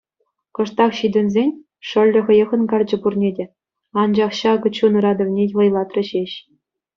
Кӑштах ҫитӗнсен, шӑллӗ хӑех ӑнкарчӗ пурне те, анчах ҫакӑ чун ыратӑвне вӑйлатрӗ ҫеҫ.